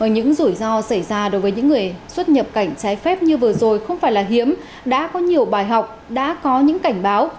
những rủi ro xảy ra đối với những người xuất nhập cảnh trái phép như vừa rồi không phải là hiếm đã có nhiều bài học đã có những cảnh báo